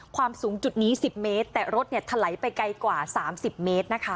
ความสูงจุดนี้สิบเมตรแต่รถเนี่ยทะไหลไปไกลกว่าสามสิบเมตรนะคะ